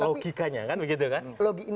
logikanya kan begitu kan